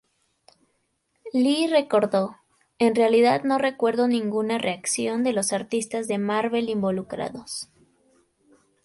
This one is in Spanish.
Lee recordó, ""en realidad no recuerdo ninguna reacción de los artistas de Marvel involucrados.